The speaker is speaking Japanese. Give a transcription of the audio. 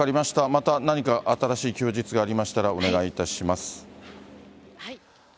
また何か新しい供述がありましたら、お願いいたします。